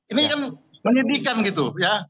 ini kan menyedihkan gitu ya